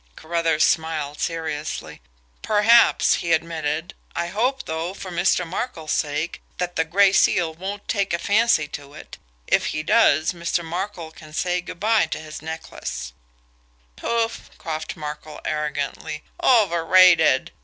Carruthers smiled seriously. "Perhaps," he admitted. "I hope, though, for Mr. Markel's sake, that the Gray Seal won't take a fancy to it if he does, Mr. Markel can say good bye to his necklace." "Pouf!" coughed Markel arrogantly. "Overrated!